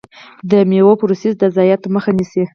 د میوو پروسس د ضایعاتو مخه نیسي.